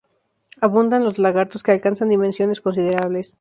Abundan los lagartos, que alcanzan dimensiones considerables.